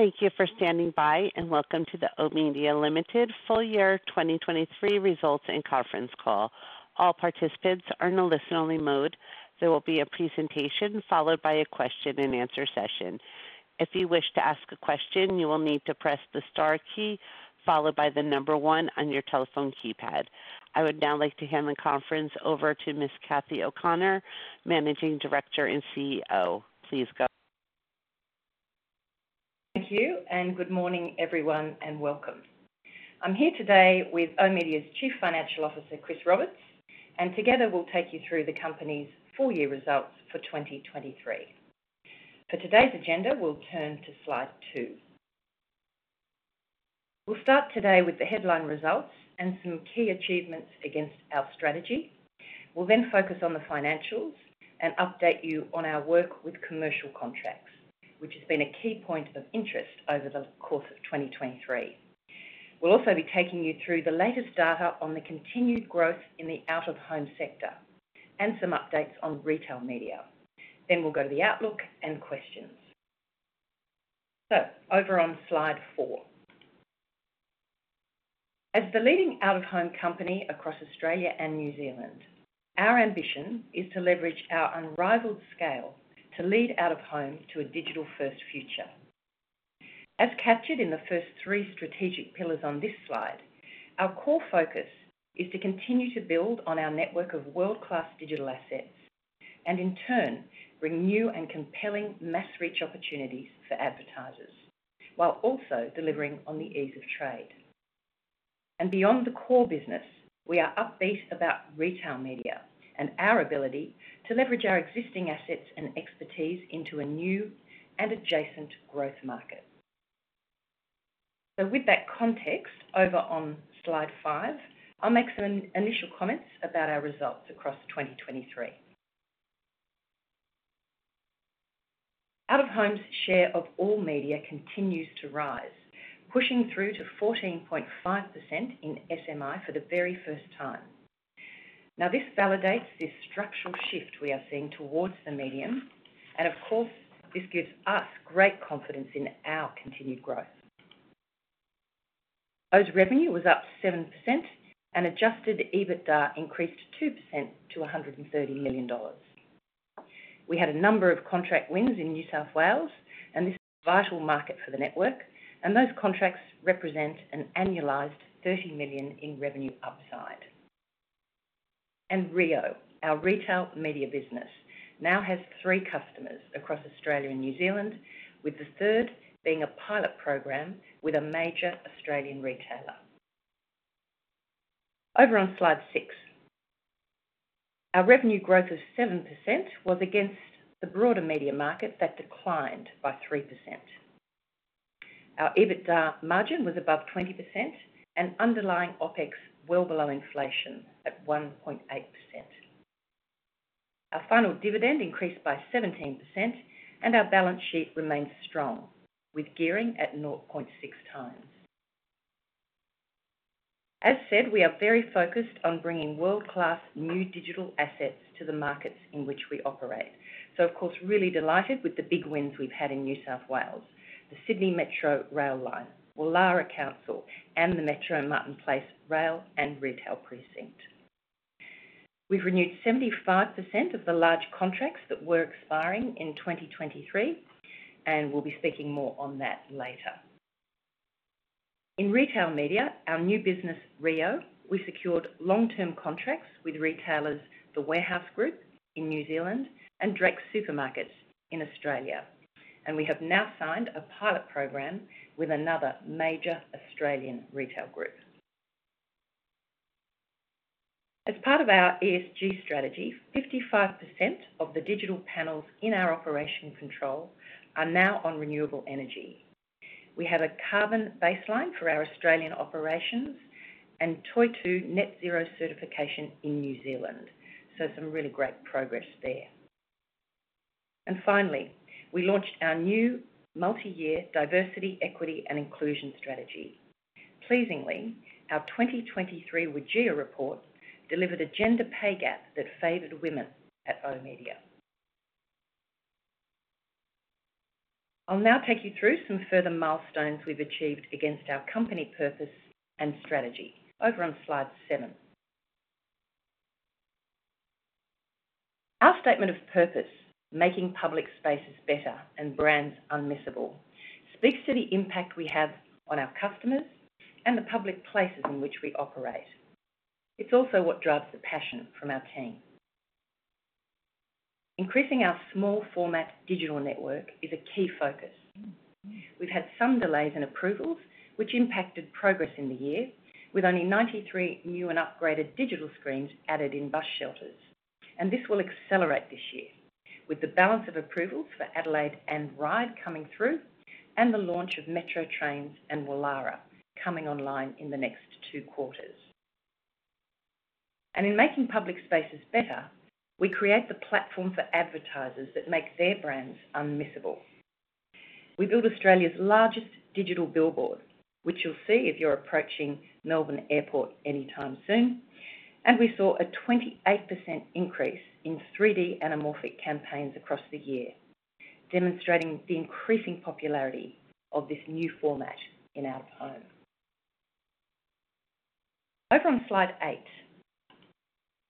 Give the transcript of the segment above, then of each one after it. Thank you for standing by, and welcome to the oOh!media Limited Full-Year 2023 Results and Conference Call. All participants are in a listen-only mode. There will be a presentation followed by a question-and-answer session. If you wish to ask a question, you will need to press the star key followed by the number one on your telephone keypad. I would now like to hand the conference over to Ms. Cathy O'Connor, Managing Director and CEO. Please go. Thank you, and good morning, everyone, and welcome. I'm here today with oOh!media's Chief Financial Officer, Chris Roberts, and together we'll take you through the company's full-year results for 2023. For today's agenda, we'll turn to slide two. We'll start today with the headline results and some key achievements against our strategy. We'll then focus on the financials and update you on our work with commercial contracts, which has been a key point of interest over the course of 2023. We'll also be taking you through the latest data on the continued growth in the out-of-home sector and some updates on retail media. Then we'll go to the outlook and questions. So over on slide four. As the leading out-of-home company across Australia and New Zealand, our ambition is to leverage our unrivaled scale to lead out-of-home to a digital-first future. As captured in the first three strategic pillars on this slide, our core focus is to continue to build on our network of world-class digital assets and, in turn, bring new and compelling mass-reach opportunities for advertisers while also delivering on the ease of trade. And beyond the core business, we are upbeat about retail media and our ability to leverage our existing assets and expertise into a new and adjacent growth market. So with that context, over on slide five, I'll make some initial comments about our results across 2023. Out-of-home's share of all media continues to rise, pushing through to 14.5% in SMI for the very first time. Now, this validates this structural shift we are seeing towards the medium, and of course, this gives us great confidence in our continued growth. Road revenue was up 7%, and Adjusted EBITDA increased 2% to 130 million dollars. We had a number of contract wins in New South Wales, and this is a vital market for the network, and those contracts represent an annualized 30 million in revenue upside. And reo, our retail media business, now has three customers across Australia and New Zealand, with the third being a pilot program with a major Australian retailer. Over on slide six. Our revenue growth of 7% was against the broader media market that declined by 3%. Our EBITDA margin was above 20% and underlying OpEx well below inflation at 1.8%. Our final dividend increased by 17%, and our balance sheet remains strong, with gearing at 0.6 times. As said, we are very focused on bringing world-class new digital assets to the markets in which we operate. So, of course, really delighted with the big wins we've had in New South Wales: the Sydney Metro Rail Line, Woollahra Municipal Council, and the Metro and Martin Place Rail and Retail Precinct. We've renewed 75% of the large contracts that were expiring in 2023, and we'll be speaking more on that later. In retail media, our new business, reo, we secured long-term contracts with retailers, The Warehouse Group in New Zealand and Drake Supermarkets in Australia, and we have now signed a pilot program with another major Australian retail group. As part of our ESG strategy, 55% of the digital panels in our operation control are now on renewable energy. We have a carbon baseline for our Australian operations and Toitū net-zero certification in New Zealand, so some really great progress there. And finally, we launched our new multi-year diversity, equity, and inclusion strategy. Pleasingly, our 2023 WGEA report delivered a gender pay gap that favored women at oOh!media. I'll now take you through some further milestones we've achieved against our company purpose and strategy. Over on slide seven. Our statement of purpose, making public spaces better and brands unmissable, speaks to the impact we have on our customers and the public places in which we operate. It's also what drives the passion from our team. Increasing our small-format digital network is a key focus. We've had some delays in approvals, which impacted progress in the year, with only 93 new and upgraded digital screens added in bus shelters. This will accelerate this year, with the balance of approvals for Adelaide and Ryde coming through and the launch of metro trains and Woollahra coming online in the next two quarters. In making public spaces better, we create the platform for advertisers that make their brands unmissable. We built Australia's largest digital billboard, which you'll see if you're approaching Melbourne Airport anytime soon, and we saw a 28% increase in 3D anamorphic campaigns across the year, demonstrating the increasing popularity of this new format in out-of-home. Over on slide eight.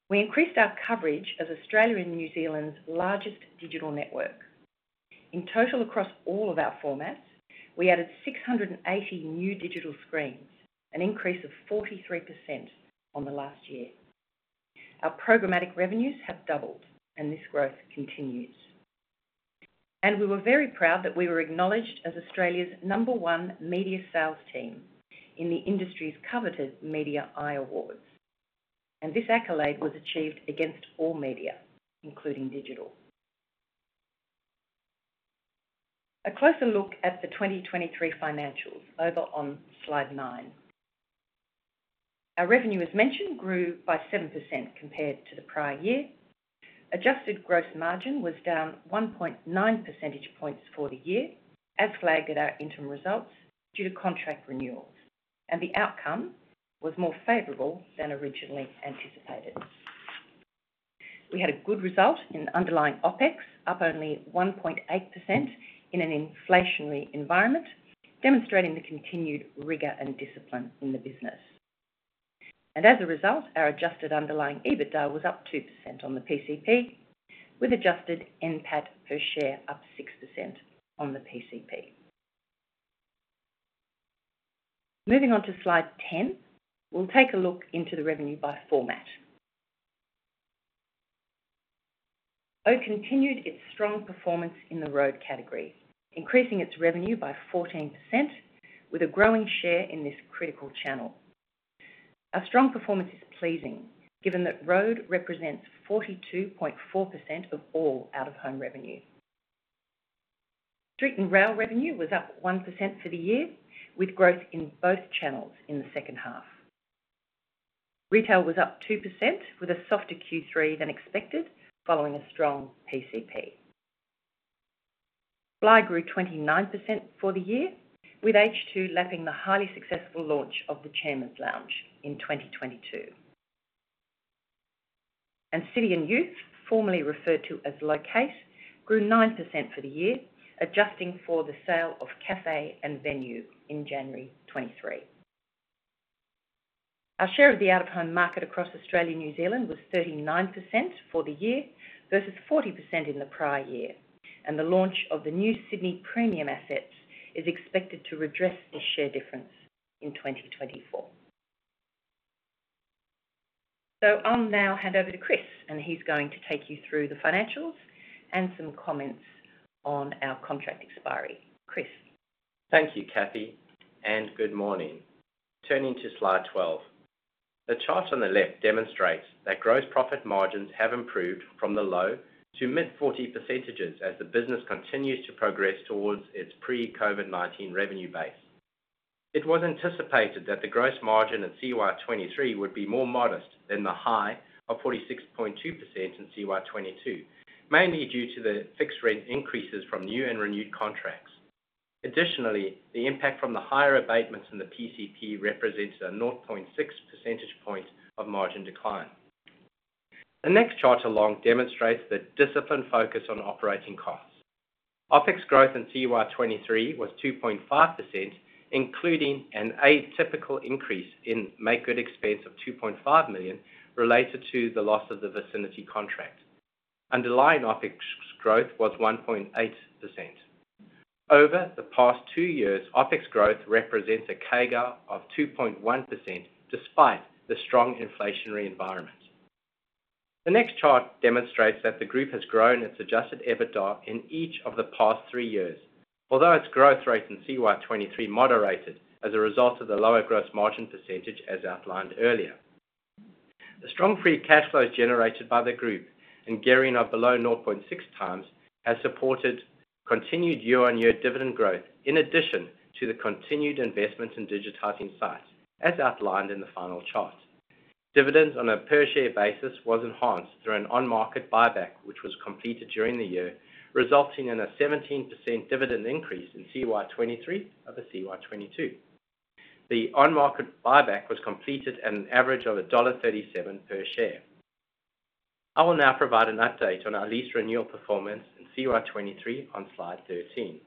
We increased our coverage as Australia and New Zealand's largest digital network. In total, across all of our formats, we added 680 new digital screens, an increase of 43% on the last year. Our programmatic revenues have doubled, and this growth continues. We were very proud that we were acknowledged as Australia's number one media sales team in the industry's coveted Media i Awards. This accolade was achieved against all media, including digital. A closer look at the 2023 financials. Over on slide nine. Our revenue, as mentioned, grew by 7% compared to the prior year. Adjusted gross margin was down 1.9 percentage points for the year, as flagged at our interim results due to contract renewals. The outcome was more favorable than originally anticipated. We had a good result in underlying OpEx, up only 1.8% in an inflationary environment, demonstrating the continued rigor and discipline in the business. As a result, our adjusted underlying EBITDA was up 2% on the PCP, with adjusted NPAT per share up 6% on the PCP. Moving on to slide 10, we'll take a look into the revenue by format. oOh! continued its strong performance in the road category, increasing its revenue by 14% with a growing share in this critical channel. Our strong performance is pleasing, given that road represents 42.4% of all out-of-home revenue. Street and Rail revenue was up 1% for the year, with growth in both channels in the second half. Retail was up 2%, with a softer Q3 than expected following a strong PCP. Fly grew 29% for the year, with H2 lapping the highly successful launch of the Chairman's Lounge in 2022. And City and Youth, formerly referred to as Locate, grew 9% for the year, adjusting for the sale of Café and Venue in January 2023. Our share of the out-of-home market across Australia and New Zealand was 39% for the year versus 40% in the prior year, and the launch of the new Sydney Premium assets is expected to redress this share difference in 2024. So I'll now hand over to Chris, and he's going to take you through the financials and some comments on our contract expiry. Chris. Thank you, Cathy, and good morning. Turning to slide 12. The chart on the left demonstrates that gross profit margins have improved from the low- to mid-40% as the business continues to progress towards its pre-COVID-19 revenue base. It was anticipated that the gross margin in CY2023 would be more modest than the high of 46.2% in CY2022, mainly due to the fixed rent increases from new and renewed contracts. Additionally, the impact from the higher abatements in the PCP represented a 0.6 percentage point of margin decline. The next chart along demonstrates the disciplined focus on operating costs. OpEx growth in CY2023 was 2.5%, including an atypical increase in Make Good Expense of 2.5 million related to the loss of the Vicinity contract. Underlying OpEx growth was 1.8%. Over the past two years, OpEx growth represents a CAGR of 2.1% despite the strong inflationary environment. The next chart demonstrates that the group has grown its Adjusted EBITDA in each of the past three years, although its growth rate in CY2023 moderated as a result of the lower gross margin percentage, as outlined earlier. The strong free cash flows generated by the group, in gearing of below 0.6x, have supported continued year-on-year dividend growth in addition to the continued investment in digitizing sites, as outlined in the final chart. Dividends on a per-share basis were enhanced through an on-market buyback, which was completed during the year, resulting in a 17% dividend increase in CY2023 over CY2022. The on-market buyback was completed at an average of dollar 1.37 per share. I will now provide an update on our lease renewal performance in CY2023 on slide 13.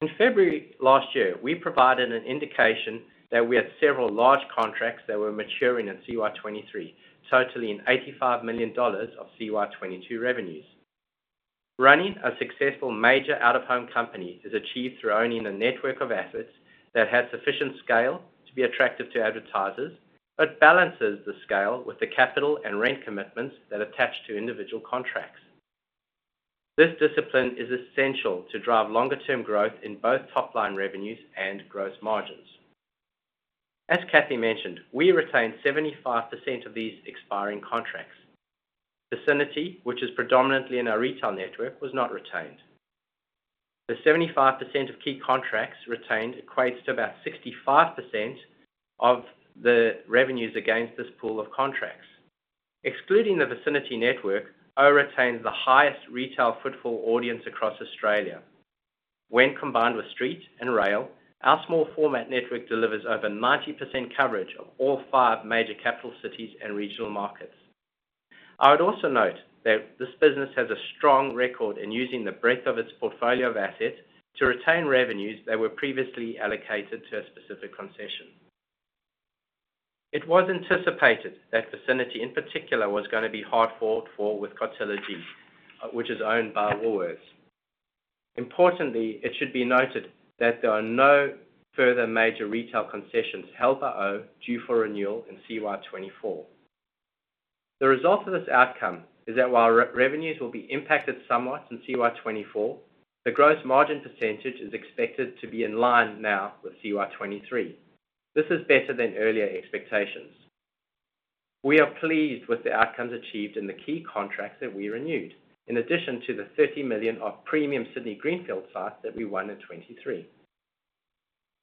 In February last year, we provided an indication that we had several large contracts that were maturing in CY2023, totaling in 85 million dollars of CY2022 revenues. Running a successful major out-of-home company is achieved through owning a network of assets that has sufficient scale to be attractive to advertisers. It balances the scale with the capital and rent commitments that attach to individual contracts. This discipline is essential to drive longer-term growth in both top-line revenues and gross margins. As Cathy mentioned, we retained 75% of these expiring contracts. Vicinity, which is predominantly in our retail network, was not retained. The 75% of key contracts retained equates to about 65% of the revenues against this pool of contracts. Excluding the Vicinity network, oOh! retains the highest retail footfall audience across Australia. When combined with Street and Rail, our small-format network delivers over 90% coverage of all five major capital cities and regional markets. I would also note that this business has a strong record in using the breadth of its portfolio of assets to retain revenues that were previously allocated to a specific concession. It was anticipated that Vicinity in particular was going to be hard fought for with Cartology, which is owned by Woolworths. Importantly, it should be noted that there are no further major retail concessions held by oOh! due for renewal in CY2024. The result of this outcome is that while revenues will be impacted somewhat in CY2024, the gross margin percentage is expected to be in line now with CY2023. This is better than earlier expectations. We are pleased with the outcomes achieved in the key contracts that we renewed, in addition to the 30 million of Premium Sydney Greenfield sites that we won in 2023.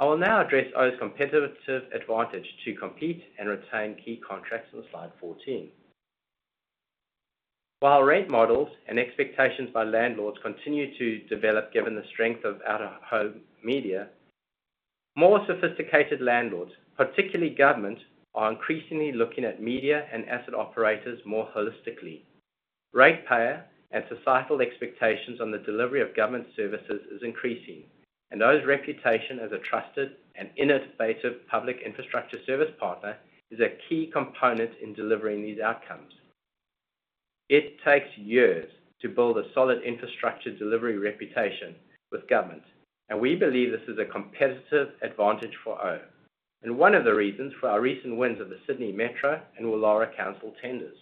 I will now address oOh!'s competitive advantage to compete and retain key contracts on slide 14. While rent models and expectations by landlords continue to develop given the strength of out-of-home media, more sophisticated landlords, particularly government, are increasingly looking at media and asset operators more holistically. Rate payer and societal expectations on the delivery of government services are increasing, and oOh!'s reputation as a trusted and innovative public infrastructure service partner is a key component in delivering these outcomes. It takes years to build a solid infrastructure delivery reputation with government, and we believe this is a competitive advantage for oOh! and one of the reasons for our recent wins of the Sydney Metro and Woollahra Municipal Council tenders.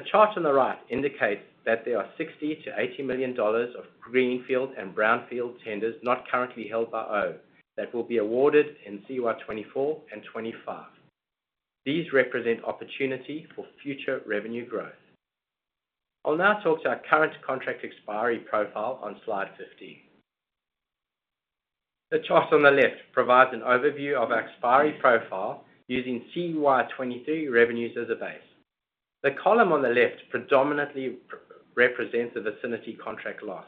The chart on the right indicates that there are 60 - 80 million of Greenfield and Brownfield tenders not currently held by oOh! that will be awarded in CY 2024 and 2025. These represent opportunity for future revenue growth. I'll now talk to our current contract expiry profile on slide 15. The chart on the left provides an overview of our expiry profile using CY2023 revenues as a base. The column on the left predominantly represents the Vicinity contract loss.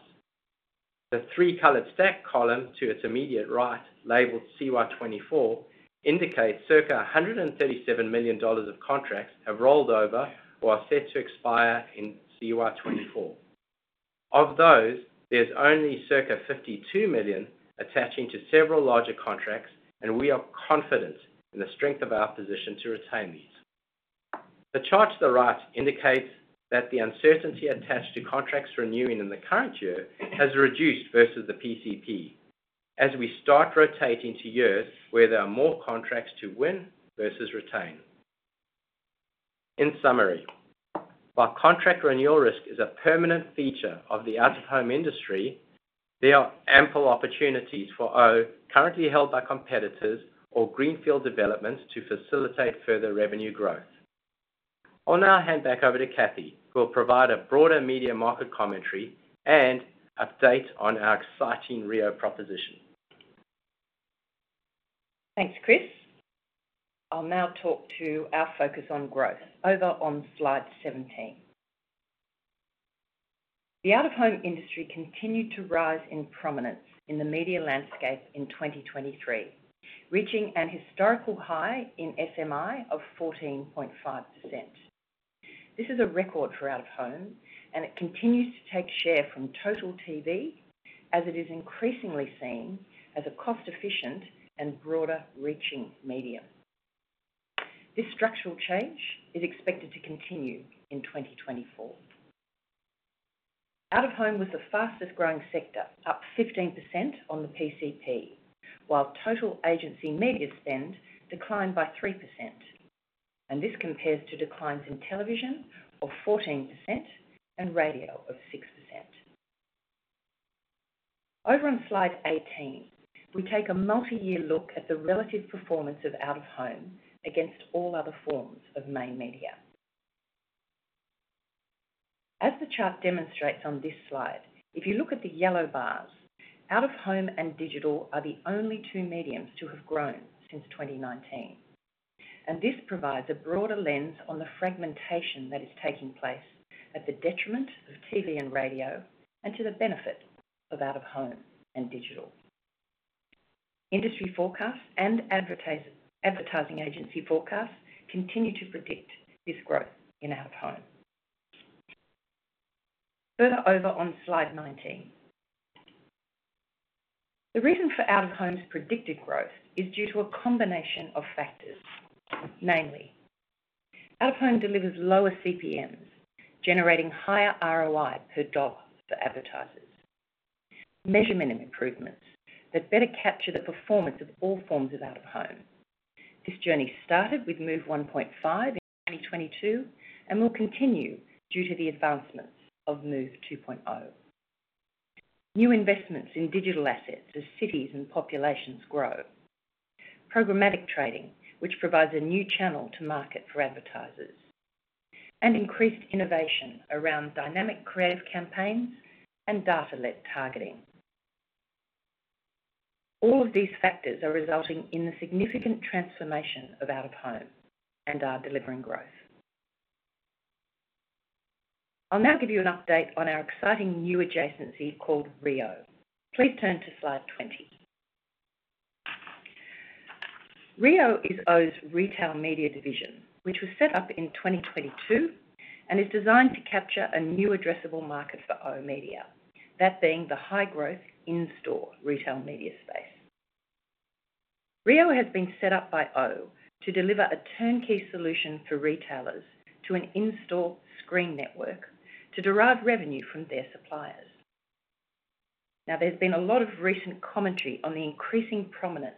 The three-colored stack column to its immediate right, labelled CY 2024, indicates circa 137 million dollars of contracts have rolled over or are set to expire in CY 2024. Of those, there's only circa 52 million attaching to several larger contracts, and we are confident in the strength of our position to retain these. The chart to the right indicates that the uncertainty attached to contracts renewing in the current year has reduced versus the PCP, as we start rotating to years where there are more contracts to win versus retain. In summary, while contract renewal risk is a permanent feature of the out-of-home industry, there are ample opportunities for oOh! currently held by competitors or Greenfield developments to facilitate further revenue growth. I'll now hand back over to Cathy, who will provide a broader media market commentary and update on our exciting reo proposition. Thanks, Chris. I'll now talk to our focus on growth. Over on slide 17. The out-of-home industry continued to rise in prominence in the media landscape in 2023, reaching a historical high in SMI of 14.5%. This is a record for out-of-home, and it continues to take share from total TV, as it is increasingly seen as a cost-efficient and broader reaching medium. This structural change is expected to continue in 2024. Out-of-home was the fastest-growing sector, up 15% on the PCP, while total agency media spend declined by 3%. This compares to declines in television of 14% and radio of 6%. Over on slide 18, we take a multi-year look at the relative performance of out-of-home against all other forms of main media. As the chart demonstrates on this slide, if you look at the yellow bars, out-of-home and digital are the only two mediums to have grown since 2019. This provides a broader lens on the fragmentation that is taking place at the detriment of TV and radio and to the benefit of out-of-home and digital. Industry forecasts and advertising agency forecasts continue to predict this growth in out-of-home. Further over on slide 19. The reason for out-of-home's predicted growth is due to a combination of factors, namely: out-of-home delivers lower CPMs, generating higher ROI per dollar for advertisers. Measurement improvements that better capture the performance of all forms of out-of-home. This journey started with MOVE 1.5 in 2022 and will continue due to the advancements of MOVE 2.0, new investments in digital assets as cities and populations grow, programmatic trading, which provides a new channel to market for advertisers, and increased innovation around dynamic creative campaigns and data-led targeting. All of these factors are resulting in the significant transformation of out-of-home and our delivering growth. I'll now give you an update on our exciting new adjacency called reo. Please turn to slide 20. reo is oOh!media's retail media division, which was set up in 2022 and is designed to capture a new addressable market for oOh!media, that being the high-growth in-store retail media space. reo has been set up by oOh! to deliver a turnkey solution for retailers to an in-store screen network to derive revenue from their suppliers. Now, there's been a lot of recent commentary on the increasing prominence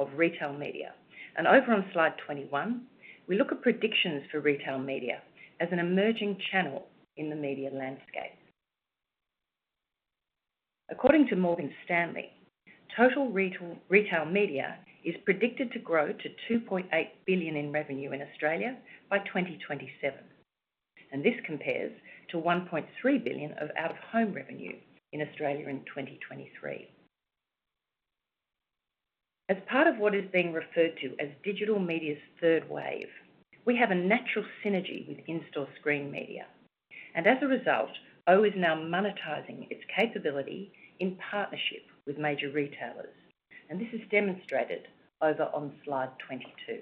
of retail media. Over on slide 21, we look at predictions for retail media as an emerging channel in the media landscape. According to Morgan Stanley, total retail media is predicted to grow to 2.8 billion in revenue in Australia by 2027. This compares to 1.3 billion of out-of-home revenue in Australia in 2023. As part of what is being referred to as digital media's third wave, we have a natural synergy with in-store screen media. As a result, oOh! is now monetizing its capability in partnership with major retailers. This is demonstrated over on slide 22.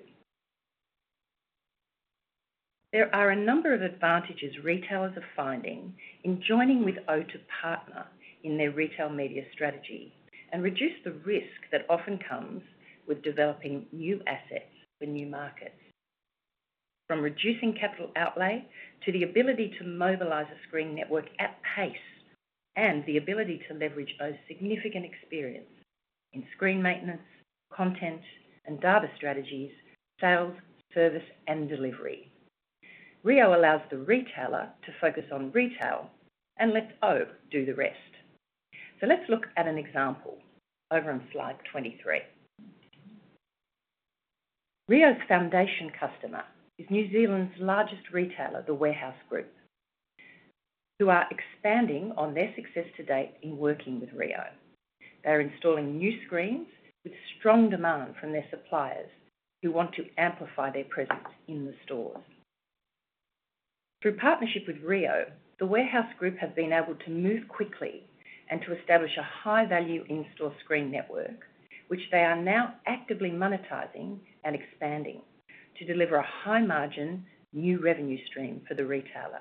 There are a number of advantages retailers are finding in joining with oOh! to partner in their retail media strategy and reduce the risk that often comes with developing new assets for new markets. From reducing capital outlay to the ability to mobilize a screen network at pace and the ability to leverage oOh!'s significant experience in screen maintenance, content, and data strategies, sales, service, and delivery. reo allows the retailer to focus on retail and let oOh! do the rest. So let's look at an example over on slide 23. reo's foundation customer is New Zealand's largest retailer, The Warehouse Group, who are expanding on their success to date in working with reo. They are installing new screens with strong demand from their suppliers who want to amplify their presence in the stores. Through partnership with reo, The Warehouse Group have been able to move quickly and to establish a high-value in-store screen network, which they are now actively monetizing and expanding to deliver a high-margin new revenue stream for the retailer.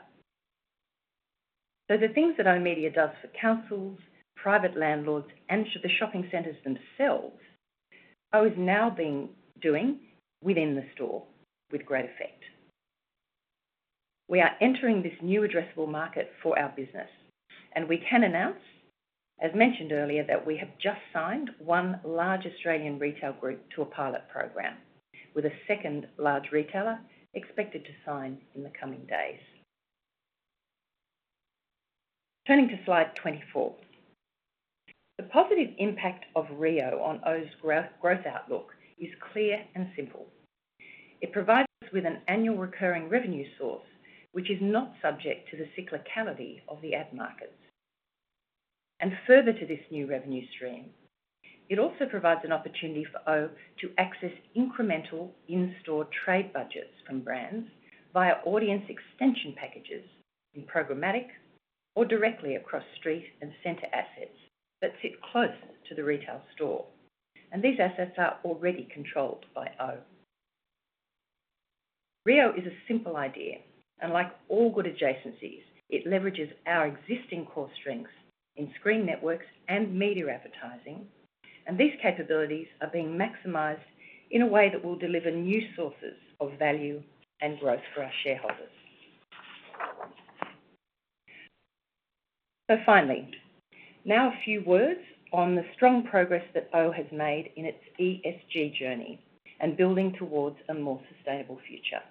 So the things that oOh! media does for councils, private landlords, and for the shopping centers themselves, oOh! is now being done within the store with great effect. We are entering this new addressable market for our business. We can announce, as mentioned earlier, that we have just signed one large Australian retail group to a pilot program, with a second large retailer expected to sign in the coming days. Turning to slide 24. The positive impact of reo on oOh!'s growth outlook is clear and simple. It provides us with an annual recurring revenue source, which is not subject to the cyclicality of the ad markets. Further to this new revenue stream, it also provides an opportunity for oOh! to access incremental in-store trade budgets from brands via audience extension packages in programmatic or directly across street and center assets that sit close to the retail store. These assets are already controlled by oOh! reo is a simple idea. Like all good adjacencies, it leverages our existing core strengths in screen networks and media advertising. These capabilities are being maximized in a way that will deliver new sources of value and growth for our shareholders. So finally, now a few words on the strong progress that oOh! has made in its ESG journey and building towards a more sustainable future.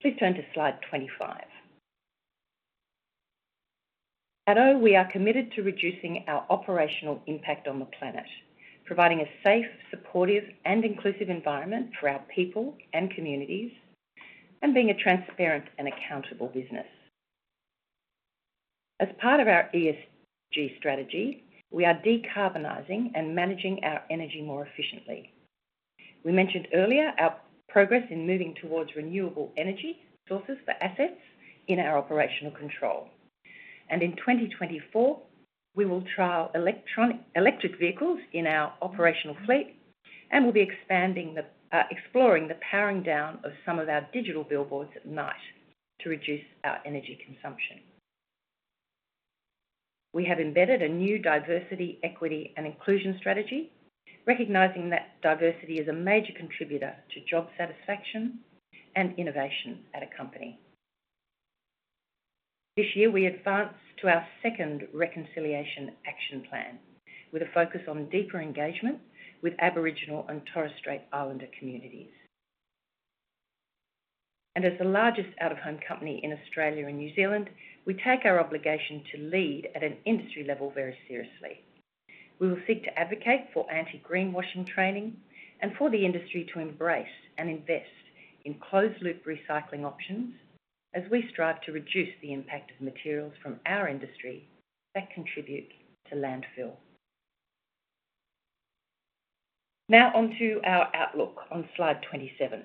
Please turn to slide 25. At oOh!, we are committed to reducing our operational impact on the planet, providing a safe, supportive, and inclusive environment for our people and communities, and being a transparent and accountable business. As part of our ESG strategy, we are decarbonizing and managing our energy more efficiently. We mentioned earlier our progress in moving towards renewable energy sources for assets in our operational control. In 2024, we will trial electric vehicles in our operational fleet and will be exploring the powering down of some of our digital billboards at night to reduce our energy consumption. We have embedded a new diversity, equity, and inclusion strategy, recognizing that diversity is a major contributor to job satisfaction and innovation at a company. This year, we advance to our second Reconciliation Action Plan with a focus on deeper engagement with Aboriginal and Torres Strait Islander communities. As the largest out-of-home company in Australia and New Zealand, we take our obligation to lead at an industry level very seriously. We will seek to advocate for anti-greenwashing training and for the industry to embrace and invest in closed-loop recycling options as we strive to reduce the impact of materials from our industry that contribute to landfill. Now onto our outlook on slide 27.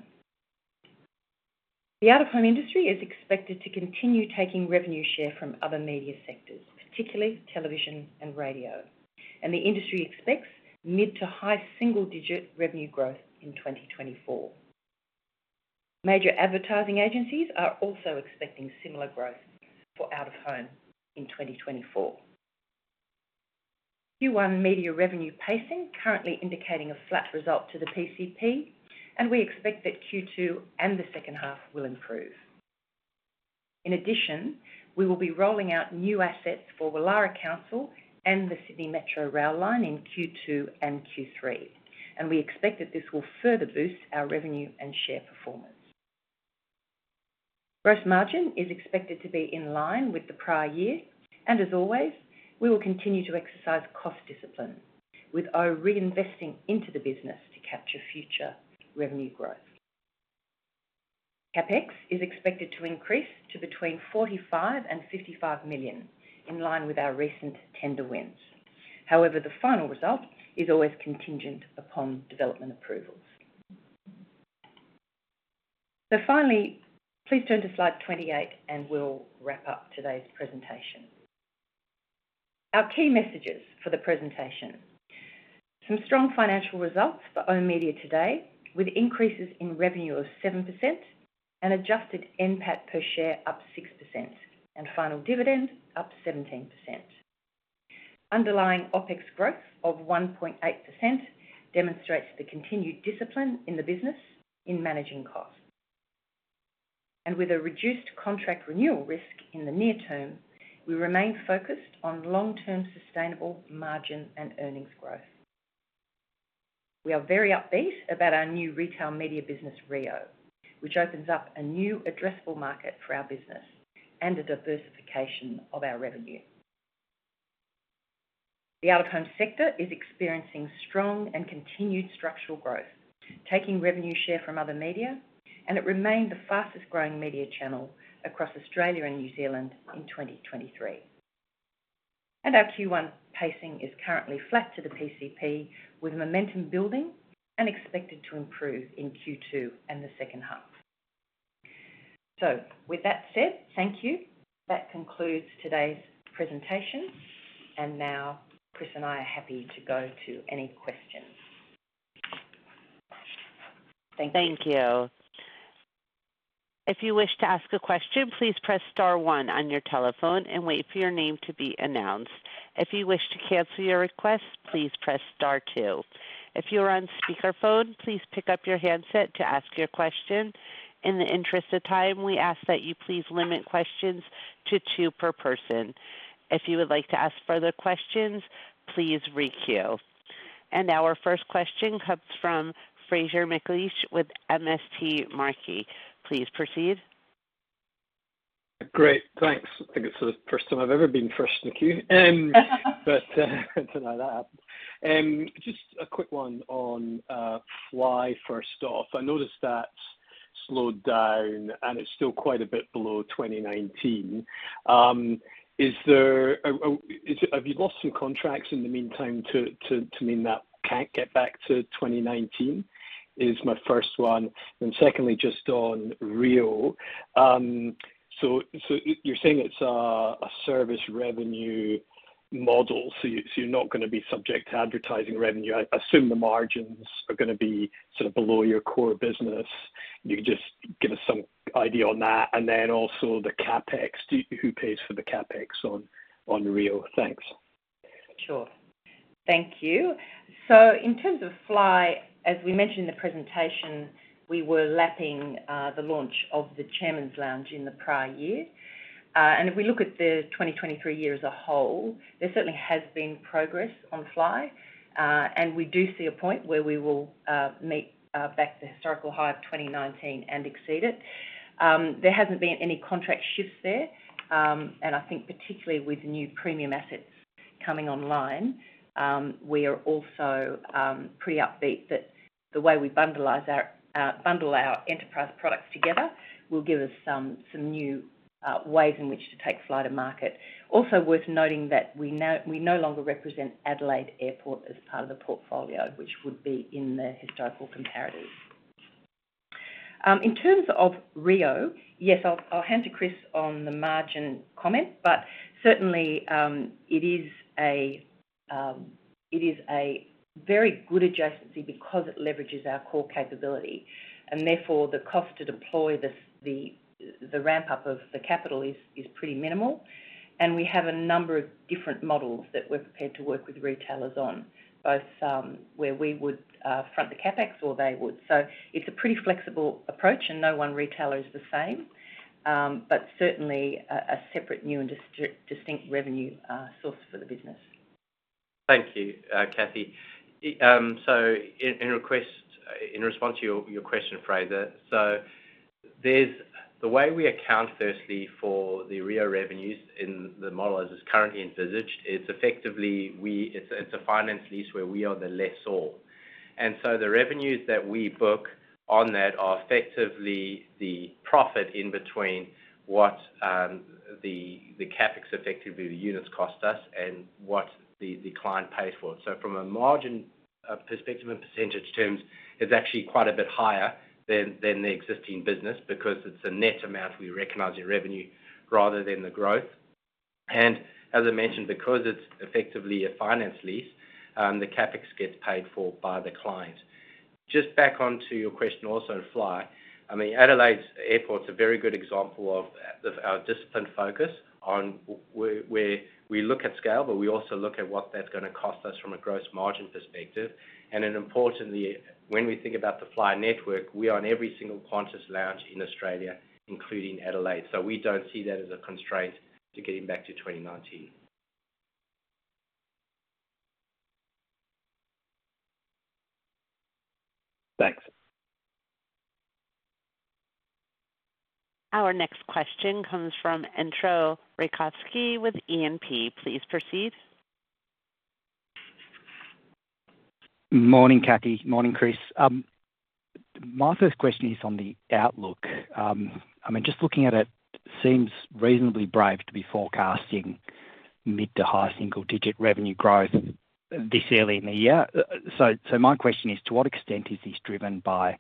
The out-of-home industry is expected to continue taking revenue share from other media sectors, particularly television and radio. The industry expects mid- to high-single-digit revenue growth in 2024. Major advertising agencies are also expecting similar growth for out-of-home in 2024. Q1 media revenue pacing currently indicating a flat result to the PCP. We expect that Q2 and the second half will improve. In addition, we will be rolling out new assets for Woollahra Council and the Sydney Metro Rail Line in Q2 and Q3. We expect that this will further boost our revenue and share performance. Gross margin is expected to be in line with the prior year. As always, we will continue to exercise cost discipline, with oOh! reinvesting into the business to capture future revenue growth. CapEx is expected to increase to between 45 and 55 million, in line with our recent tender wins. However, the final result is always contingent upon development approvals. Finally, please turn to slide 28, and we'll wrap up today's presentation. Our key messages for the presentation: some strong financial results for oOh!media today, with increases in revenue of 7% and adjusted NPAT per share up 6%, and final dividend up 17%. Underlying OpEx growth of 1.8% demonstrates the continued discipline in the business in managing costs. With a reduced contract renewal risk in the near term, we remain focused on long-term sustainable margin and earnings growth. We are very upbeat about our new retail media business, reo, which opens up a new addressable market for our business and a diversification of our revenue. The out-of-home sector is experiencing strong and continued structural growth, taking revenue share from other media. It remained the fastest-growing media channel across Australia and New Zealand in 2023. Our Q1 pacing is currently flat to the PCP, with momentum building and expected to improve in Q2 and the second half. With that said, thank you. That concludes today's presentation. Now, Chris and I are happy to go to any questions. Thank you. Thank you. If you wish to ask a question, please press star 1 on your telephone and wait for your name to be announced. If you wish to cancel your request, please press star 2. If you are on speakerphone, please pick up your handset to ask your question. In the interest of time, we ask that you please limit questions to two per person. If you would like to ask further questions, please re-queue. Our first question comes from Fraser McLeish with MST Marquee. Please proceed. Great. Thanks. I think it's the first time I've ever been first in the queue. But tonight, that happened. Just a quick one on Fly first off. I noticed that slowed down, and it's still quite a bit below 2019. Have you lost some contracts in the meantime to mean that can't get back to 2019? That's my first one. And secondly, just on reo. So you're saying it's a service revenue model, so you're not going to be subject to advertising revenue. I assume the margins are going to be sort of below your core business. You can just give us some idea on that. And then also the CapEx. Who pays for the CapEx on reo? Thanks. Sure. Thank you. So in terms of Fly, as we mentioned in the presentation, we were lapping the launch of the Chairman's Lounge in the prior year. And if we look at the 2023 year as a whole, there certainly has been progress on Fly. And we do see a point where we will meet back the historical high of 2019 and exceed it. There hasn't been any contract shifts there. And I think particularly with new premium assets coming online, we are also pretty upbeat that the way we bundle our enterprise products together will give us some new ways in which to take Fly to market. Also worth noting that we no longer represent Adelaide Airport as part of the portfolio, which would be in the historical comparative. In terms of reo, yes, I'll hand to Chris on the margin comment. But certainly, it is a very good adjacency because it leverages our core capability. Therefore, the cost to deploy the ramp-up of the capital is pretty minimal. We have a number of different models that we're prepared to work with retailers on, both where we would front the CapEx or they would. So it's a pretty flexible approach, and no one retailer is the same. But certainly, a separate new and distinct revenue source for the business. Thank you, Cathy. So in response to your question, Fraser, so the way we account, firstly, for the reo revenues in the model as it's currently envisaged, it's effectively it's a finance lease where we are the lessor. And so the revenues that we book on that are effectively the profit in between what the CapEx effectively the units cost us and what the client pays for it. So from a margin perspective and percentage terms, it's actually quite a bit higher than the existing business because it's a net amount we recognise in revenue rather than the growth. And as I mentioned, because it's effectively a finance lease, the CapEx gets paid for by the client. Just back onto your question also on Fly. I mean, Adelaide Airport's a very good example of our discipline focus where we look at scale, but we also look at what that's going to cost us from a gross margin perspective. And importantly, when we think about the Fly network, we are on every single Qantas lounge in Australia, including Adelaide. So we don't see that as a constraint to getting back to 2019. Thanks. Our next question comes from Entcho Raykovski with E&P. Please proceed. Morning, Cathy. Morning, Chris. My first question is on the outlook. I mean, just looking at it, seems reasonably brave to be forecasting mid- to high single-digit revenue growth this early in the year. So my question is, to what extent is this driven by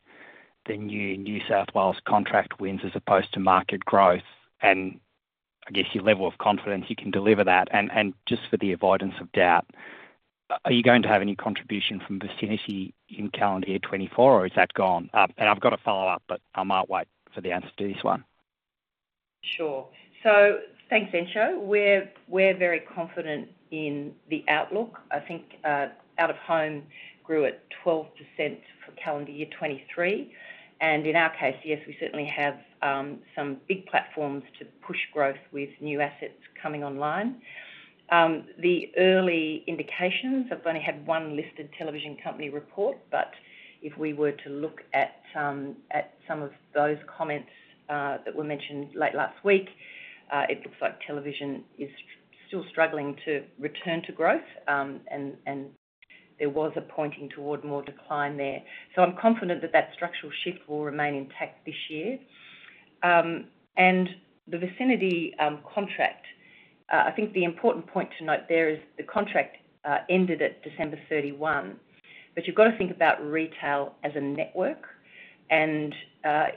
the new New South Wales contract wins as opposed to market growth and, I guess, your level of confidence you can deliver that? And just for the avoidance of doubt, are you going to have any contribution from Vicinity in calendar year 2024, or is that gone? And I've got a follow-up, but I might wait for the answer to this one. Sure. So thanks, Entcho. We're very confident in the outlook. I think out-of-home grew at 12% for calendar year 2023. And in our case, yes, we certainly have some big platforms to push growth with new assets coming online. The early indications I've only had one listed television company report. But if we were to look at some of those comments that were mentioned late last week, it looks like television is still struggling to return to growth. And there was a pointing toward more decline there. So I'm confident that that structural shift will remain intact this year. And the Vicinity contract, I think the important point to note there is the contract ended at December 31. But you've got to think about retail as a network. And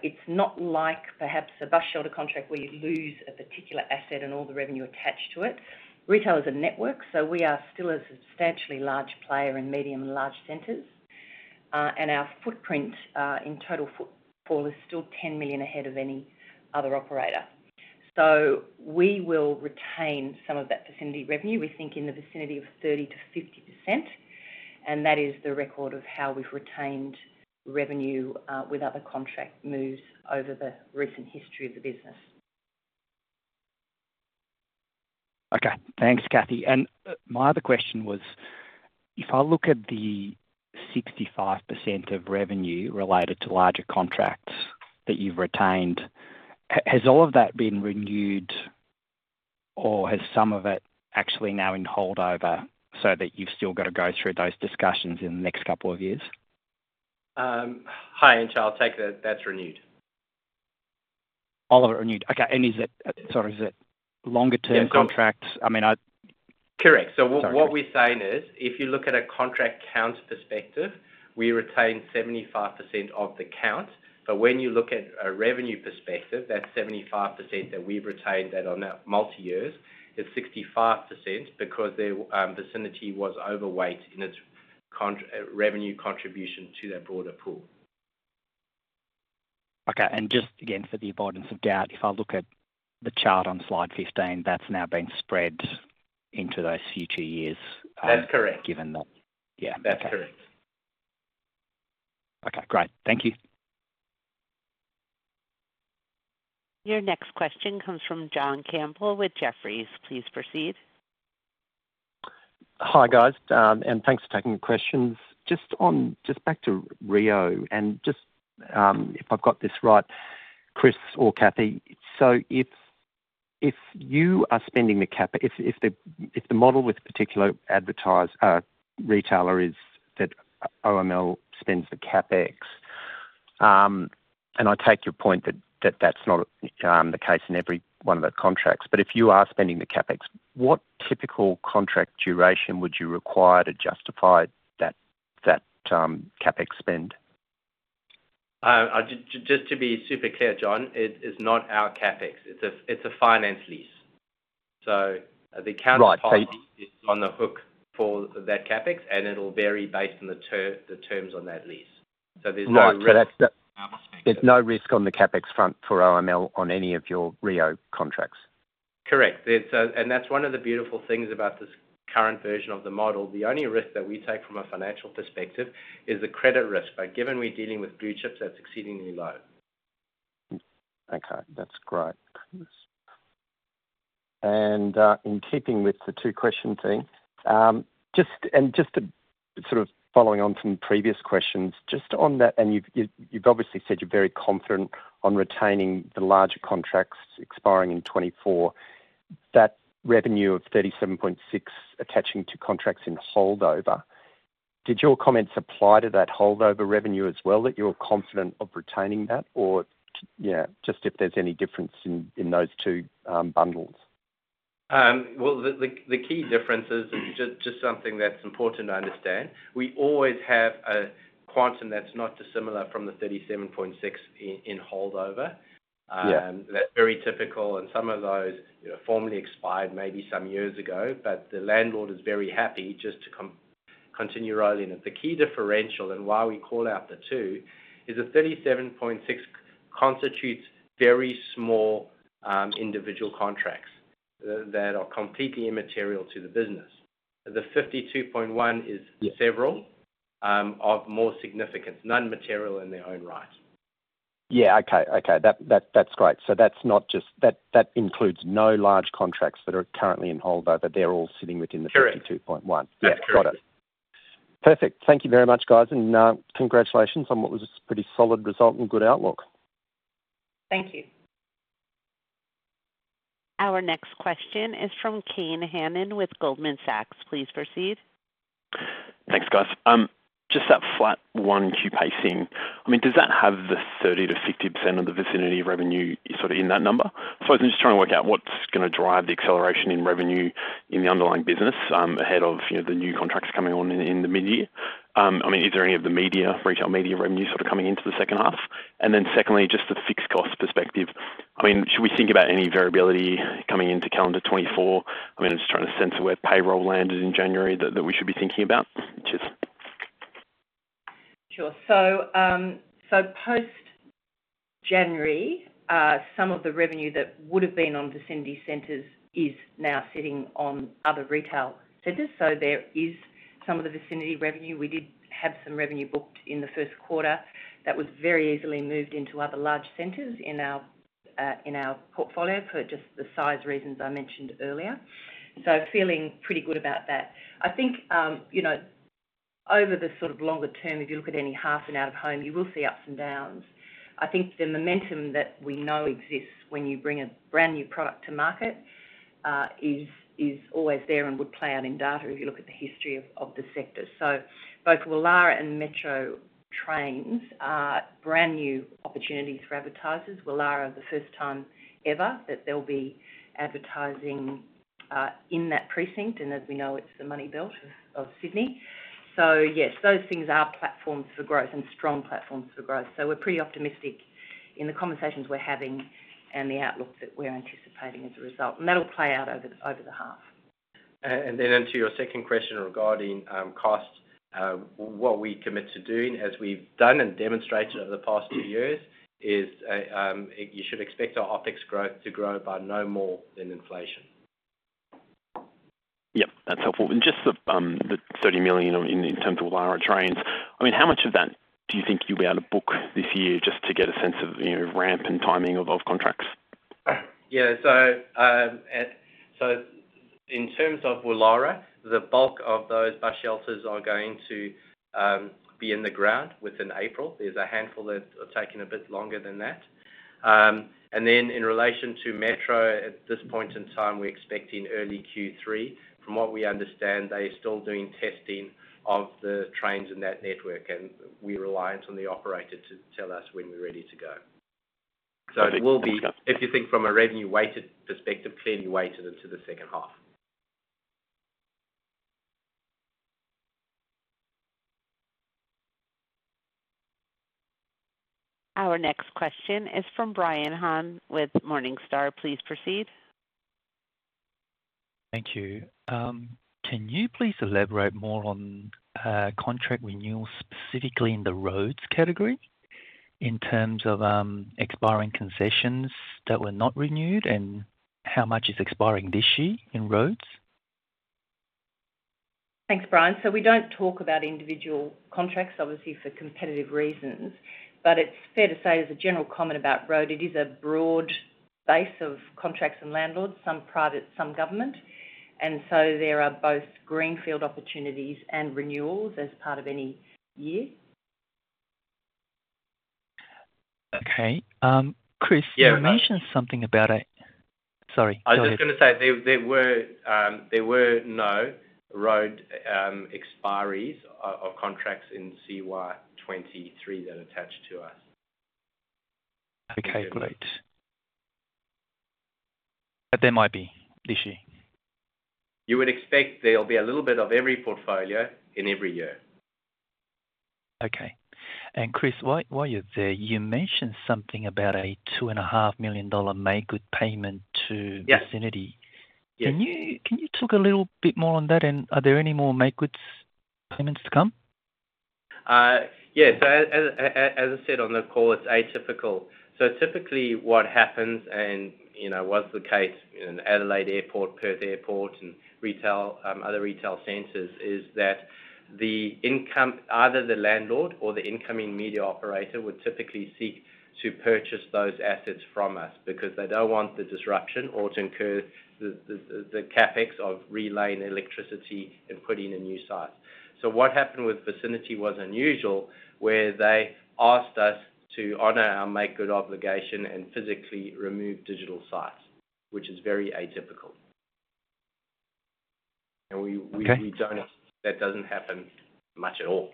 it's not like, perhaps, a bus shelter contract where you lose a particular asset and all the revenue attached to it. Retail is a network. So we are still a substantially large player in medium and large centres. And our footprint in total footfall is still 10 million ahead of any other operator. So we will retain some of that Vicinity revenue. We think in the vicinity of 30%-50%. And that is the record of how we've retained revenue with other contract moves over the recent history of the business. Okay. Thanks, Cathy. My other question was, if I look at the 65% of revenue related to larger contracts that you've retained, has all of that been renewed, or has some of it actually now in holdover so that you've still got to go through those discussions in the next couple of years? Hi, Entcho. I'll take that. That's renewed. All of it renewed. Okay. And sorry, is it longer-term contracts? I mean, I. Correct. So what we're saying is, if you look at a contract count perspective, we retain 75% of the count. But when you look at a revenue perspective, that 75% that we've retained on that multi-years, it's 65% because Vicinity was overweight in its revenue contribution to that broader pool. Okay. Just again, for the avoidance of doubt, if I look at the chart on slide 15, that's now been spread into those future years, given that. That's correct. That's correct. Okay. Great. Thank you. Your next question comes from John Campbell with Jefferies. Please proceed. Hi, guys. Thanks for taking the questions. Just back to reo. Just if I've got this right, Chris or Cathy, so if you are spending, if the model with a particular retailer is that OML spends the CapEx and I take your point that that's not the case in every one of the contracts. But if you are spending the CapEx, what typical contract duration would you require to justify that CapEx spend? Just to be super clear, John, it's not our CapEx. It's a finance lease. So the accountant's party is on the hook for that CapEx. And it'll vary based on the terms on that lease. So there's no risk. Right. So there's no risk on the CapEx front for OML on any of your reo contracts. Correct. That's one of the beautiful things about this current version of the model. The only risk that we take from a financial perspective is the credit risk. Given we're dealing with blue chips, that's exceedingly low. Okay. That's great, Chris. In keeping with the two-question thing, just sort of following on from previous questions, just on that and you've obviously said you're very confident on retaining the larger contracts expiring in 2024. That revenue of 37.6 attaching to contracts in holdover, did your comments apply to that holdover revenue as well, that you were confident of retaining that? Or yeah, just if there's any difference in those two bundles. Well, the key difference is just something that's important to understand. We always have a quantum that's not dissimilar from the 37.6 in holdover. That's very typical. Some of those formally expired maybe some years ago. But the landlord is very happy just to continue rolling it. The key differential and why we call out the two is the 37.6 constitutes very small individual contracts that are completely immaterial to the business. The 52.1 is several of more significance, none material in their own right. Yeah. Okay. Okay. That's great. So that includes no large contracts that are currently in holdover. They're all sitting within the 52.1. Correct. Correct. Yeah. Got it. Perfect. Thank you very much, guys. Congratulations on what was a pretty solid result and good outlook. Thank you. Our next question is from Kane Hannan with Goldman Sachs. Please proceed. Thanks, guys. Just that flat Q1 pacing. I mean, does that have the 30%-50% of the Vicinity revenue sort of in that number? So I was just trying to work out what's going to drive the acceleration in revenue in the underlying business ahead of the new contracts coming on in the mid-year. I mean, is there any of the retail media revenue sort of coming into the second half? And then secondly, just the fixed cost perspective, I mean, should we think about any variability coming into calendar 2024? I mean, I'm just trying to sense where payroll landed in January that we should be thinking about, which is. Sure. So post-January, some of the revenue that would have been on Vicinity Centres is now sitting on other retail centres. So there is some of the Vicinity revenue. We did have some revenue booked in the first quarter that was very easily moved into other large centres in our portfolio for just the size reasons I mentioned earlier. So. Feeling pretty good about that. I think over the sort of longer term, if you look at oOh and out-of-home, you will see ups and downs. I think the momentum that we know exists when you bring a brand new product to market is always there and would play out in data if you look at the history of the sector. So both Woollahra and Sydney Metro are brand new opportunities for advertisers. Woollahra, the first time ever that they'll be advertising in that precinct. As we know, it's the Money Belt of Sydney. So yes, those things are platforms for growth and strong platforms for growth. So we're pretty optimistic in the conversations we're having and the outlooks that we're anticipating as a result. And that'll play out over the half. And then into your second question regarding cost, what we commit to doing, as we've done and demonstrated over the past two years, is you should expect our OpEx growth to grow by no more than inflation. Yep. That's helpful. Just the 30 million in terms of Woollahra trains, I mean, how much of that do you think you'll be able to book this year just to get a sense of ramp and timing of contracts? Yeah. So in terms of Woollahra, the bulk of those bus shelters are going to be in the ground within April. There's a handful that are taking a bit longer than that. And then in relation to Metro, at this point in time, we're expecting early Q3. From what we understand, they're still doing testing of the trains in that network. And we're reliant on the operator to tell us when we're ready to go. So it will be, if you think from a revenue-weighted perspective, clearly weighted into the second half. Our next question is from Brian Han with Morningstar. Please proceed. Thank you. Can you please elaborate more on contract renewal specifically in the roads category in terms of expiring concessions that were not renewed? And how much is expiring this year in roads? Thanks, Brian. So we don't talk about individual contracts, obviously, for competitive reasons. But it's fair to say there's a general comment about Road. It is a broad base of contracts and landlords, some private, some government. And so there are both Greenfield opportunities and renewals as part of any year. Okay. Chris, you mentioned something about a sorry. Go ahead. I was just going to say there were no Road expiries of contracts in CY2023 that attached to us. Okay. Great. But there might be this year. You would expect there'll be a little bit of every portfolio in every year. Okay. And Chris, while you're there, you mentioned something about a 2.5 million dollar make-good payment to Vicinity. Can you talk a little bit more on that? And are there any more make-goods payments to come? Yeah. So as I said on the call, it's atypical. So typically, what happens and was the case in Adelaide Airport, Perth Airport, and other retail centers is that either the landlord or the incoming media operator would typically seek to purchase those assets from us because they don't want the disruption or to incur the CapEx of relaying electricity and putting in new sites. So what happened with Vicinity was unusual where they asked us to honour our make-good obligation and physically remove digital sites, which is very atypical. And that doesn't happen much at all.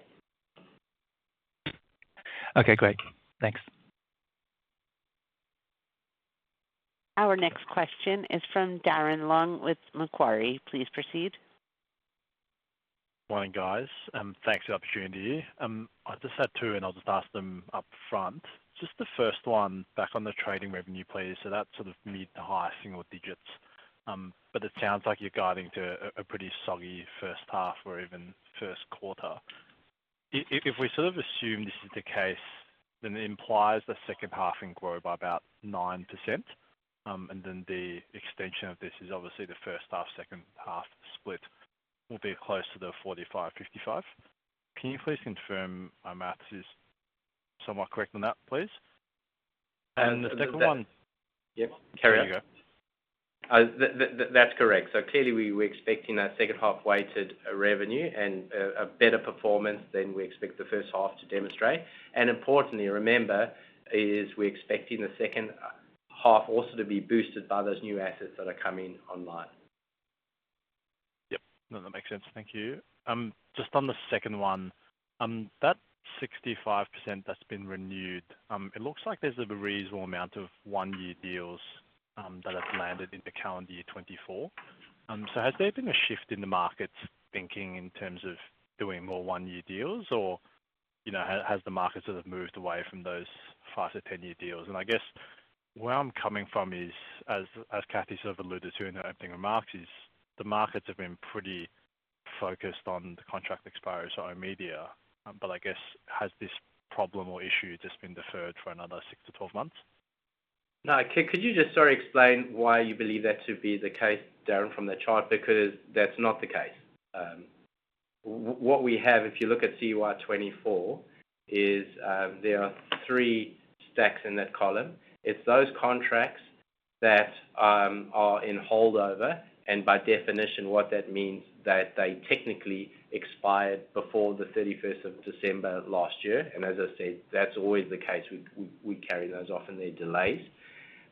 Okay. Great. Thanks. Our next question is from Darren Leung with Macquarie. Please proceed. Morning, guys. Thanks for the opportunity here. I just had two. And I'll just ask them upfront. Just the first one, back on the trading revenue, please. So that's sort of mid to high single digits. But it sounds like you're guiding to a pretty soggy first half or even first quarter. If we sort of assume this is the case, then it implies the second half can grow by about 9%. And then the extension of this is obviously the first half, second half split will be close to the 45, 55. Can you please confirm our math is somewhat correct on that, please? And the second one. Yep. Carry on. That's correct. So clearly, we're expecting that second half weighted revenue and a better performance than we expect the first half to demonstrate. And importantly, remember, is we're expecting the second half also to be boosted by those new assets that are coming online. Yep. No, that makes sense. Thank you. Just on the second one, that 65% that's been renewed, it looks like there's a reasonable amount of one-year deals that have landed in the calendar year 2024. So has there been a shift in the markets' thinking in terms of doing more one-year deals? Or has the market sort of moved away from those five to 10-year deals? And I guess where I'm coming from is, as Cathy sort of alluded to in her opening remarks, is the markets have been pretty focused on the contract expiry for oOh!media. But I guess has this problem or issue just been deferred for another six to 12 months? No. Could you just sort of explain why you believe that to be the case, Darren, from the chart? Because that's not the case. What we have, if you look at CY2024, is there are three stacks in that column. It's those contracts that are in holdover. By definition, what that means is that they technically expired before the 31 December last year. As I said, that's always the case. We carry those off in their delays.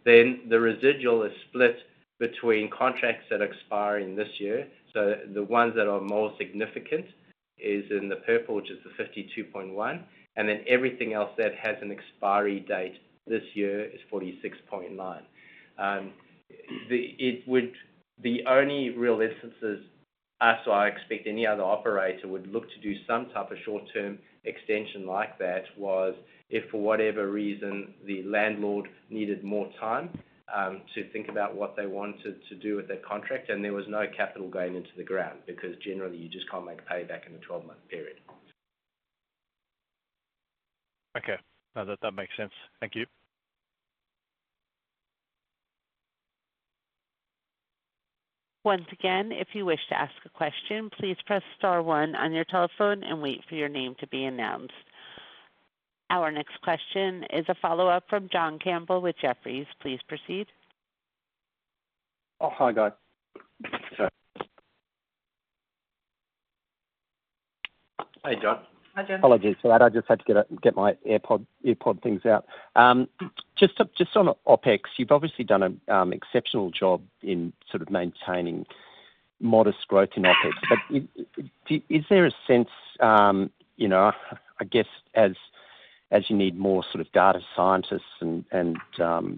Then the residual is split between contracts that are expiring this year. The ones that are more significant is in the purple, which is the 52.1. And then everything else that has an expiry date this year is 46.9. The only real instances so I expect any other operator would look to do some type of short-term extension like that was if, for whatever reason, the landlord needed more time to think about what they wanted to do with their contract and there was no capital going into the ground because generally, you just can't make a payback in a 12-month period. Okay. No, that makes sense. Thank you. Once again, if you wish to ask a question, please press star one on your telephone and wait for your name to be announced. Our next question is a follow-up from John Campbell with Jefferies. Please proceed. Oh, hi, guys. Sorry. Hey, John. Hi, John. Apologies for that. I just had to get my AirPod things out. Just on OpEx, you've obviously done an exceptional job in sort of maintaining modest growth in OpEx. But is there a sense I guess as you need more sort of data scientists and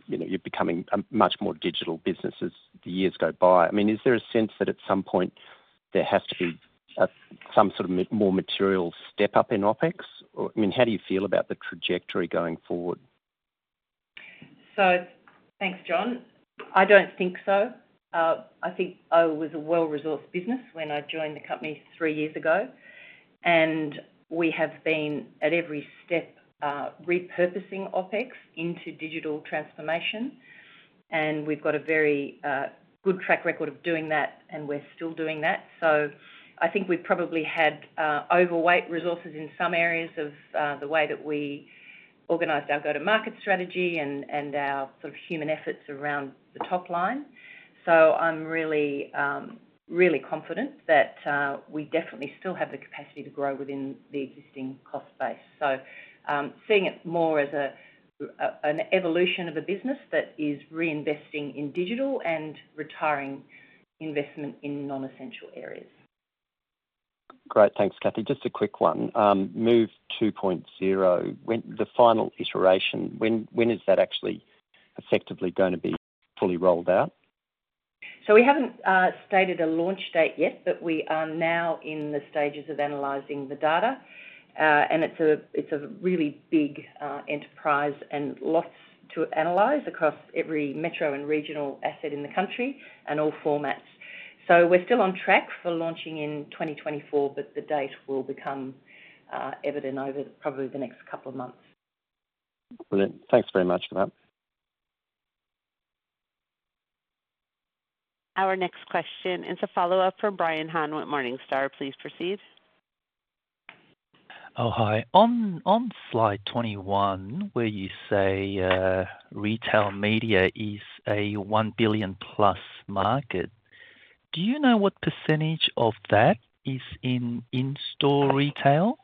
you're becoming a much more digital business as the years go by, I mean, is there a sense that at some point, there has to be some sort of more material step up in OpEx? I mean, how do you feel about the trajectory going forward? So thanks, John. I don't think so. I think oOh!media was a well-resourced business when I joined the company three years ago. And we have been at every step repurposing OpEx into digital transformation. And we've got a very good track record of doing that. And we're still doing that. So I think we've probably had overweight resources in some areas of the way that we organized our go-to-market strategy and our sort of human efforts around the top line. So I'm really, really confident that we definitely still have the capacity to grow within the existing cost base. So seeing it more as an evolution of a business that is reinvesting in digital and retiring investment in non-essential areas. Great. Thanks, Cathy. Just a quick one. MOVE 2.0, the final iteration, when is that actually effectively going to be fully rolled out? We haven't stated a launch date yet. We are now in the stages of analyzing the data. It's a really big enterprise and lots to analyze across every metro and regional asset in the country and all formats. We're still on track for launching in 2024. The date will become evident over probably the next couple of months. Brilliant. Thanks very much for that. Our next question is a follow-up from Brian Han with Morningstar. Please proceed. Oh, hi. On slide 21, where you say retail media is a 1 billion-plus market, do you know what percentage of that is in in-store retail?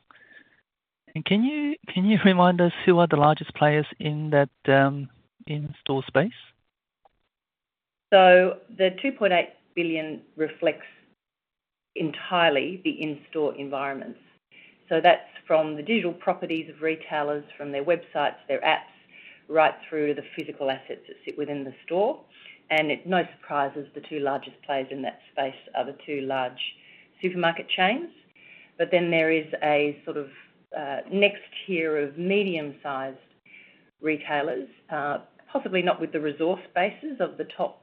And can you remind us who are the largest players in that in-store space? So the 2.8 billion reflects entirely the in-store environments. So that's from the digital properties of retailers, from their websites, their apps, right through to the physical assets that sit within the store. And no surprises, the two largest players in that space are the two large supermarket chains. But then there is a sort of next tier of medium-sized retailers, possibly not with the resource bases of the top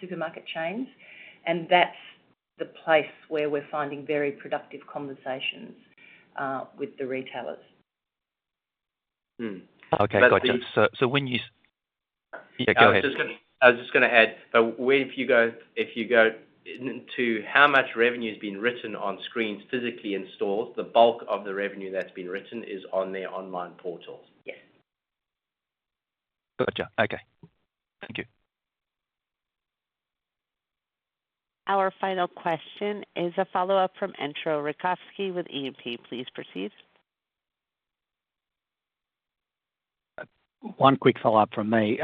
supermarket chains. And that's the place where we're finding very productive conversations with the retailers. Okay. Gotcha. So when you yeah, go ahead. I was just going to add, but if you go into how much revenue's been written on screens physically in stores, the bulk of the revenue that's been written is on their online portals. Yes. Gotcha. Okay. Thank you. Our final question is a follow-up from Entcho Raykovski with E&P. Please proceed. One quick follow-up from me.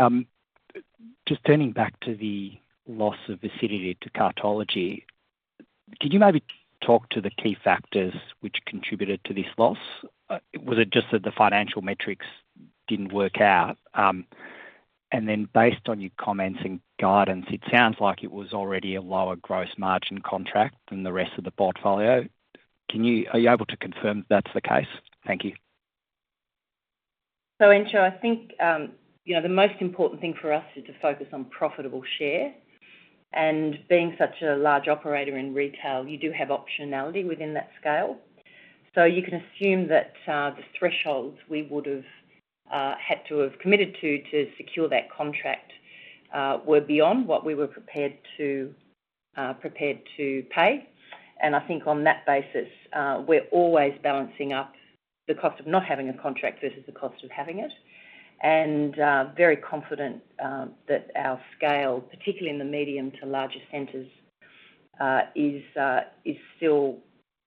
Just turning back to the loss of Vicinity to Cartology, can you maybe talk to the key factors which contributed to this loss? Was it just that the financial metrics didn't work out? And then based on your comments and guidance, it sounds like it was already a lower gross margin contract than the rest of the portfolio. Are you able to confirm that that's the case? Thank you. So Entcho, I think the most important thing for us is to focus on profitable share. And being such a large operator in retail, you do have optionality within that scale. So you can assume that the thresholds we would have had to have committed to to secure that contract were beyond what we were prepared to pay. And I think on that basis, we're always balancing up the cost of not having a contract versus the cost of having it and very confident that our scale, particularly in the medium to larger centers, is still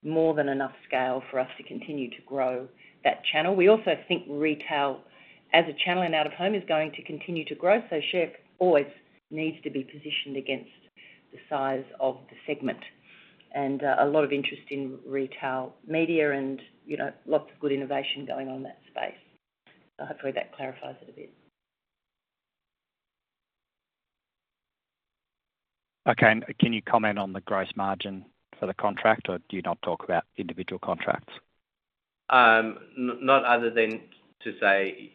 more than enough scale for us to continue to grow that channel. We also think retail as a channel and out-of-home is going to continue to grow. So share always needs to be positioned against the size of the segment. A lot of interest in retail media and lots of good innovation going on in that space. Hopefully, that clarifies it a bit. Okay. Can you comment on the gross margin for the contract? Or do you not talk about individual contracts? Nothing other than to say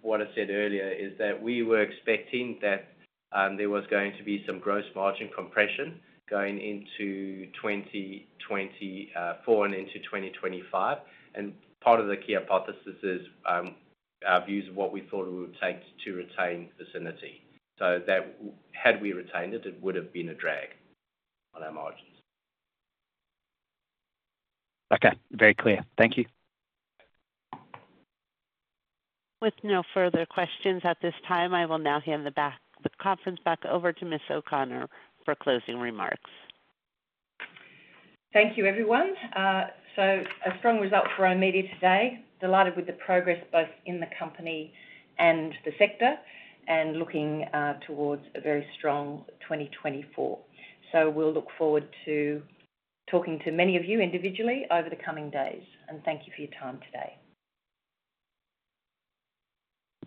what I said earlier is that we were expecting that there was going to be some gross margin compression going into 2024 and into 2025. Part of the key hypothesis is our views of what we thought it would take to retain Vicinity. Had we retained it, it would have been a drag on our margins. Okay. Very clear. Thank you. With no further questions at this time, I will now hand the conference back over to Miss O'Connor for closing remarks. Thank you, everyone. A strong result for oOh!media today. Delighted with the progress both in the company and the sector and looking towards a very strong 2024. We'll look forward to talking to many of you individually over the coming days. Thank you for your time today.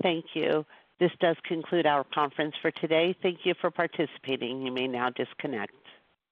Thank you. This does conclude our conference for today. Thank you for participating. You may now disconnect.